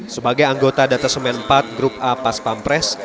sebagai anggota data semen empat grup a pas pampres